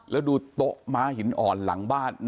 แล้วดูโต๊ะม้าหินอ่อนหลังบ้าน